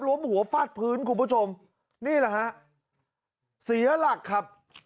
หัวฟาดพื้นคุณผู้ชมนี่แหละฮะเสียหลักครับ